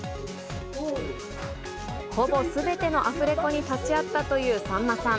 ほぼすべてのアフレコに立ち会ったというさんまさん。